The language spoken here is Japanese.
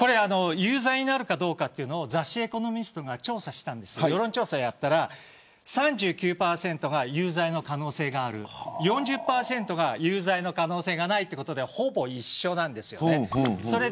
有罪になるかというのを雑誌エコノミストが世論調査やったら３９％が有罪の可能性がある４０％が有罪の可能性がないということで、ほぼ一緒です。